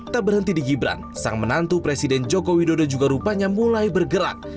tak berhenti di gibran sang menantu presiden joko widodo juga rupanya mulai bergerak